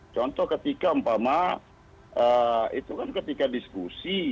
contoh ketika umpama itu kan ketika diskusi